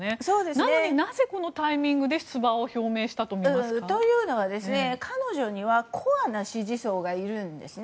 なのに、なぜこのタイミングで出馬表明したとみられますか？というのは彼女にはコアな支持層がいるんです。